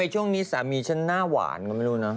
แม่งฉันน่าหวานก็ไม่รู้นะ